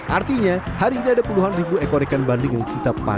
artinya hari ini ada puluhan ribu ekor ikan bandeng yang kita panen